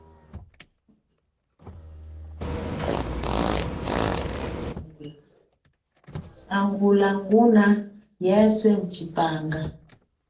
Hangulia nguna yeswe mutshipanga.